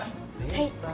はい。